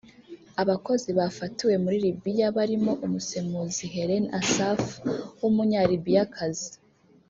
Abakozi bafatiwe muri Libiya barimo umusemuzi Hélène Assaf w’Umunyalibiyakazi